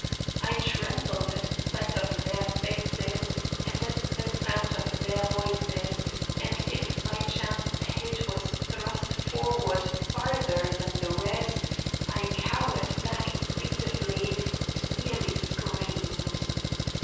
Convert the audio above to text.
I trembled at sight of their faces and at the sound of their voices, and if by chance a head was thrust forward farther than the rest I cowered back instinctively and nearly screamed.